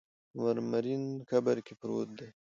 په مرمرین قبر کې پروت دی.